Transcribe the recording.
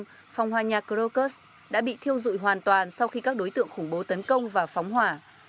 trong trung tâm thương phòng hòa nhạc krokus đã bị thiêu dụi hoàn toàn sau khi các đối tượng khủng bố tấn công và phóng hỏa